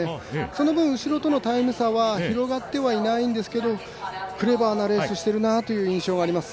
その分、後ろとのタイム差は広がってはいないんですがクレバーなレースをしているなという印象があります。